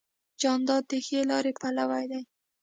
جانداد د ښې لارې پلوی دی.